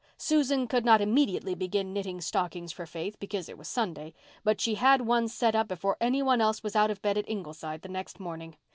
Susan could not immediately begin knitting stockings for Faith because it was Sunday, but she had one set up before any one else was out of bed at Ingleside the next morning.